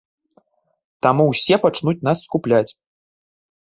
Таму ўсе пачнуць нас скупляць.